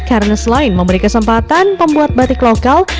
karena selain memberi kesempatan pembuat batik lokal